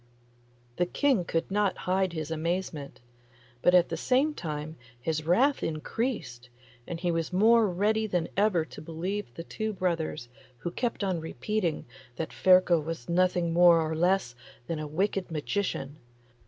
The King could not hide his amazement, but at the same time his wrath increased, and he was more ready than ever to believe the two brothers, who kept on repeating that Ferko was nothing more nor less than a wicked magician.